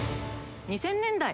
２０００年代。